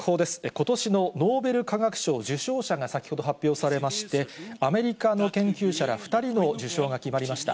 ことしのノーベル化学賞受賞者が先ほど発表されまして、アメリカの研究者ら２人の受賞が決まりました。